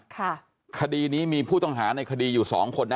คดีนี้มีผู้ต้องหาในคดีอยู่สองคนนะ